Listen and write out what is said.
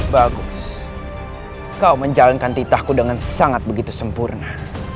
bagus kau menjalankan titahku dengan sangat begitu sempurna